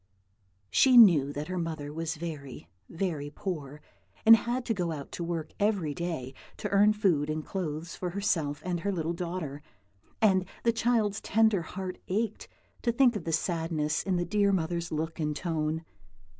She knew that her mother was very, very poor, and had to go out to work every day to earn food and clothes for herself and her little daughter; and the child's tender heart ached to think of the sadness in the dear mother's look and tone.